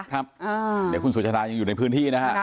เดี๋ยวคุณสุชาดายังอยู่ในพื้นที่นะฮะ